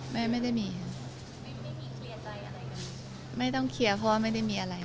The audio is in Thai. ไม่ไม่ได้มีไม่ต้องเคลียร์เพราะว่าไม่ได้มีอะไร